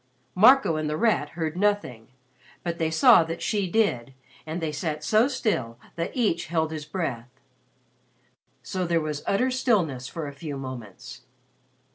Marco and The Rat heard nothing, but they saw that she did and they sat so still that each held his breath. So there was utter stillness for a few moments.